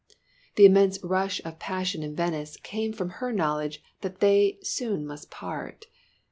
The immense rush of passion in Venice came from her knowledge that they soon must part.